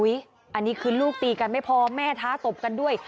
อันนี้คือลูกตีกันไม่พอแม่ท้าตบกันด้วย